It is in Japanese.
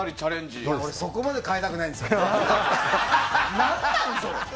そこまで変えたくないんですよ。